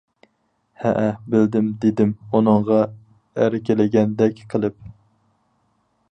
-ھەئە، بىلدىم. -دېدىم ئۇنىڭغا ئەركىلىگەندەك قىلىپ.